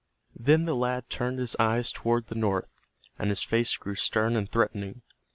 Then the lad turned his eyes toward the north, and his face grew stern and threatening.